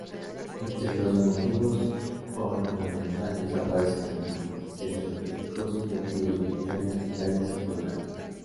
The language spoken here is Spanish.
Entre los motivos ornamentales aparecen animales, seres fantásticos, motivos vegetales, frutales y florales.